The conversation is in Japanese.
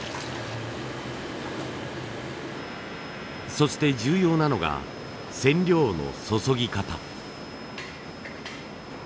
そして重要なのが染料の注ぎ方。